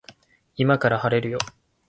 今から晴れるよ